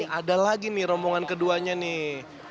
ini nih ada lagi nih rombongan keduanya nih